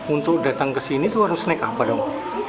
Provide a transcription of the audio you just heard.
untuk datang ke sini itu harus naik apa dong